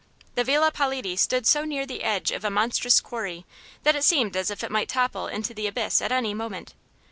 The Villa Politi stood so near the edge of a monstrous quarry that it seemed as if it might topple into the abyss at any moment.